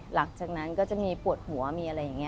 หลังจากนั้นก็จะมีปวดหัวมีอะไรอย่างนี้